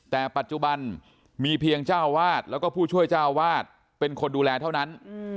แต่ปัจจุบันมีเพียงเจ้าวาดแล้วก็ผู้ช่วยเจ้าวาดเป็นคนดูแลเท่านั้น